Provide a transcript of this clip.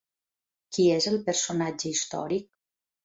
Qui és el personatge històric?